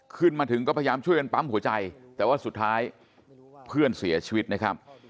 ขึ้นมาถึงก็พยายามช่วยกันปั๊มหัวใจแต่ว่าสุดท้ายเพื่อนเสียชีวิตนะครับ